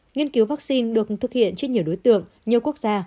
nghiên cứu vaccine được thực hiện trên nhiều đối tượng nhiều quốc gia